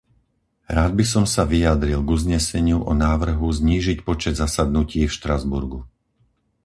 Rád by som sa vyjadril k uzneseniu o návrhu znížiť počet zasadnutí v Štrasburgu.